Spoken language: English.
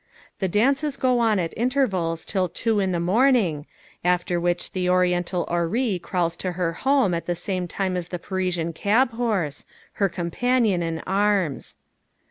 The dances go on at intervals till two in the morning, after which the Oriental houri crawls to her home at the same time as the Parisian cab horse her companion in arms.